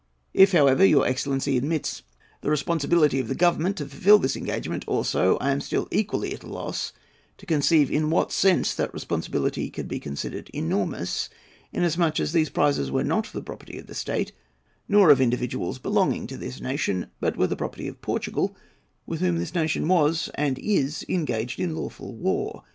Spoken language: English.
If, however, your excellency admits the responsibility of the Government to fulfil this engagement also, I am still equally at a loss to conceive in what sense that responsibility can be considered enormous, inasmuch as these prizes were not the property of the state, nor of individuals belonging to this nation, but were the property of Portugal, with whom this nation was and is engaged in lawful war.